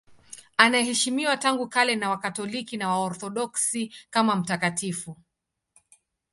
Anaheshimiwa tangu kale na Wakatoliki na Waorthodoksi kama mtakatifu.